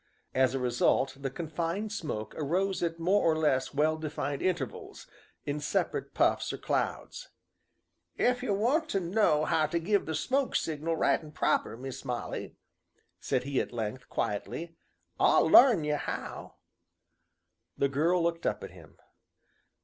As a result the confined smoke arose at more or less well defined intervals, in separate puffs or clouds. "Ef ye want to know how to give the smoke signal right an' proper, Miss Molly," said he at length, quietly, "I'll larn ye how." The girl looked up at him.